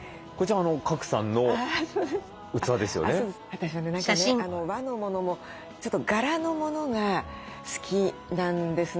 私はね何かね和のものもちょっと柄のものが好きなんですね。